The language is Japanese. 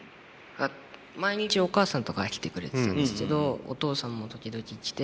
毎日お母さんとかは来てくれてたんですけどお父さんも時々来て。